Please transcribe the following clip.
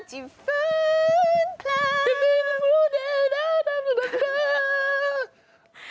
จิฟันคลัก